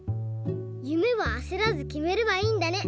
ゆめはあせらずきめればいいんだね。